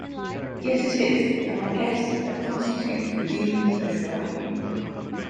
Yes it is...and I guess that constitutes redeeming social value.